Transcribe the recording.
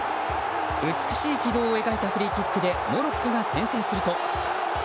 美しい軌道を描いたフリーキックでモロッコが先制すると。